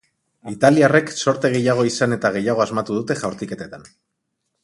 Italiarrek zorte gehiago izan eta gehiago asmatu dute jaurtiketetan.